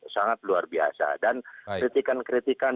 sangat luar biasa dan kritikan kritikan